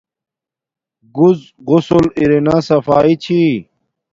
گڎ غسل ارنا صفایݵ چھی